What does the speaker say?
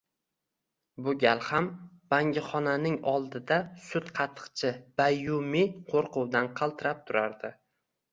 Bu gal ham bangixonaning oldida sut-qatiqchi Bayyumi qo`rquvdan qaltirab turardi